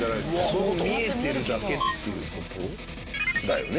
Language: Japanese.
そう見えてるだけっていう事だよね。